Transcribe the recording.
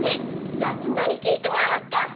じゃあみんなにきいてもらおうか！